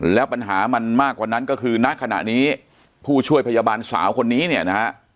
แล้วปัญหามันมากกว่านั้นก็คือณขณะนี้ผู้ช่วยพยาบาลสาวคนนี้เนี่ยนะฮะ